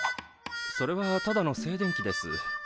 それはただの静電気です。